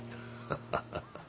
ハハハハッ。